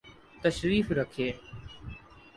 تشریف رکھئے